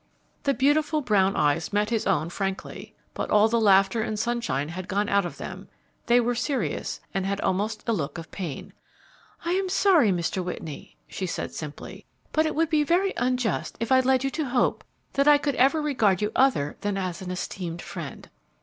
The beautiful brown eyes met his own frankly, but all the laughter and sunshine had gone out of them. They were serious and had almost a look of pain. "I am sorry, Mr. Whitney," she said, simply; "but it would be very unjust if I led you to hope that I could ever regard you other than as an esteemed friend."